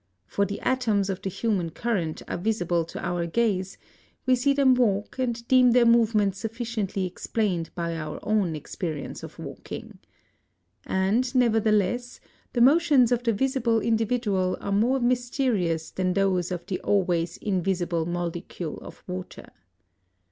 For the atoms of the human current are visible to our gaze: we see them walk, and deem their movements sufficiently explained by our own experience of walking. And, nevertheless, the motions of the visible individual are more mysterious than those of the always invisible molecule of water.